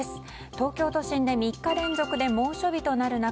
東京都心で３日連続で猛暑日となる中